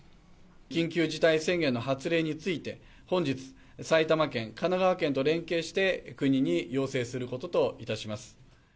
緊急事態宣言の発令について、本日、埼玉県、神奈川県と連携して国に要請することといたします。